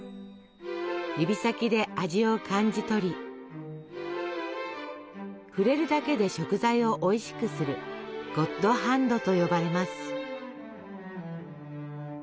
指先で味を感じ取り触れるだけで食材をおいしくする「ゴッドハンド」と呼ばれます。